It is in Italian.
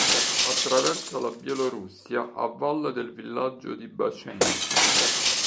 Attraversa la Bielorussia a valle del villaggio di Bachenki.